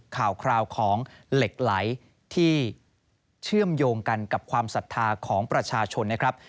ข่าวคราวของเหล็กไหลที่เชื่อมโยงกันกับความศรัทธาของประชาชนนะครับ